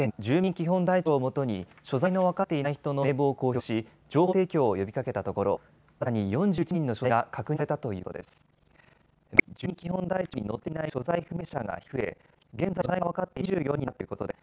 所在の分かっていない人の名簿を公表し、情報提供を呼びかけたところ新たに４１人の所在が確認されたということです。